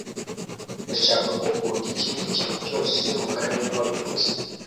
Ndashaka ko kuruta ikindi kintu cyose rukara niwe wabivuze